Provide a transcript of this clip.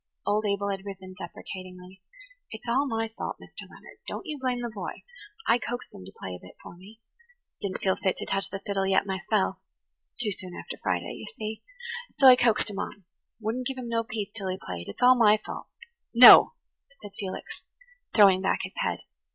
Old Abel had risen deprecatingly. "It's all my fault, Mr. Leonard. Don't you blame the boy. I coaxed him to play a bit for me. I didn't feel fit to touch the fiddle yet myself–too soon after Friday, you see. So I coaxed him on–wouldn't give him no peace till he played. It's all my fault." "No," said Felix, throwing back his head.